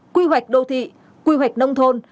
quy hoạch đô thị quy hoạch nông thôn